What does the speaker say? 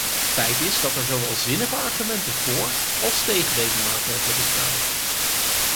Feit is dat er zowel zinnige argumenten voor als tegen deze maatregel bestaan.